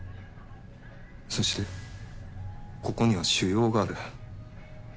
そしてここには腫瘍がある。